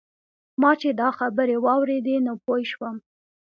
ما چې دا خبرې واورېدې نو پوی شوم.